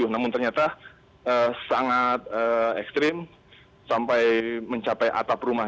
namun ternyata sangat ekstrim sampai mencapai atap rumah